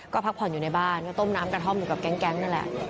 ก็พักผ่อนอยู่ในบ้านก็ต้มน้ำกระท่อมอยู่กับแก๊งนั่นแหละ